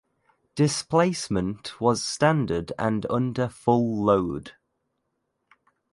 Displacement was standard and under full load.